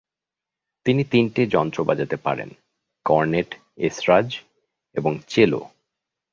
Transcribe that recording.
তিনি তিনটে যন্ত্র বাজাতে পারেন, কর্নেট, এসরাজ এবং চেলো।